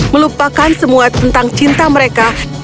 melupakan semua tentang cinta mereka